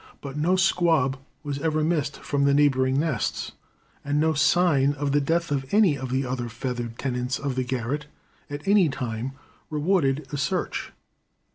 But no squab was ever missed from the neighboring nests, and no sign of the death of any of the other feathered tenants of the garret at any time rewarded a search.